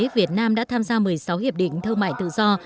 việt nam đã tham gia một mươi sáu hiệp định thương mại tự do